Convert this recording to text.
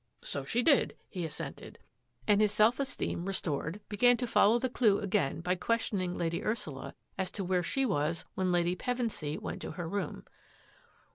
" So she did," he assented, and, hii CXAVERING TAKES THE FIELD 11 ftllo^ restored, began to follow the clue again by ques ^18? ' tioning Lady Ursula as to where she was when Lady Pevensy went to her room.